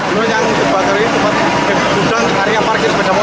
ini yang dibaterai untuk keguguran area parkir sepeda motor